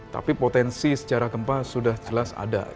tapi potensi secara gempa sudah jelas ada